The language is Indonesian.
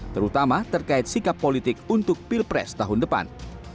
terutama terkait sikap politik untuk pilpres tahun depan